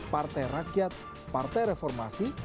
partai rakyat partai reformasi